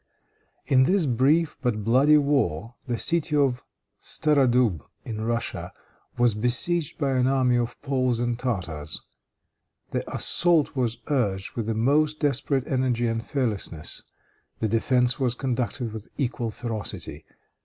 In this brief, but bloody war, the city of Staradoub, in Russia, was besieged by an army of Poles and Tartars. The assault was urged with the most desperate energy and fearlessness. The defense was conducted with equal ferocity.